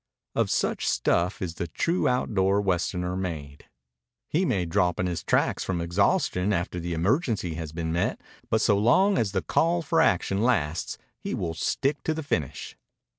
Of such stuff is the true outdoor Westerner made. He may drop in his tracks from exhaustion after the emergency has been met, but so long as the call for action lasts he will stick to the finish.